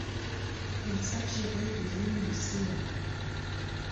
Il s'agirait de l'île de Seeland.